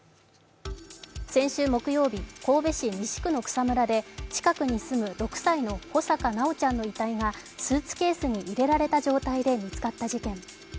先週木曜日、神戸市西区の草むらで近くに住む６歳の穂坂修ちゃんの遺体がスーツケースに入れられた状態で見つかった事件。